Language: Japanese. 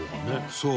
そう。